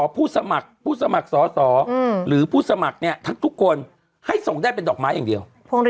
พวกหลีดดอกไม้อย่างเดียว